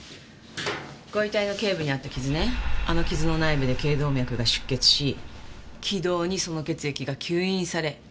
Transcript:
ご遺体の頸部にあった傷ねあの傷の内部で頸動脈が出血し気道にその血液が吸引され気道内閉塞が起こった。